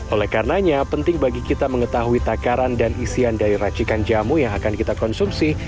oleh karenanya penting bagi kita mengetahui takaran dan isian dari racikan jamu yang akan kita konsumsi